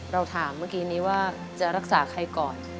เราถามเมื่อกี้นี้ว่าจะรักษาใครก่อน